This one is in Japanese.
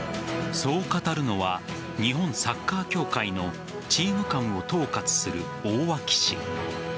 そう語るのは日本サッカー協会のＴｅａｍＣａｍを統括する大脇氏。